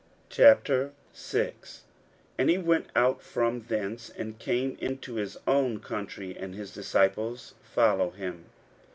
41:006:001 And he went out from thence, and came into his own country; and his disciples follow him.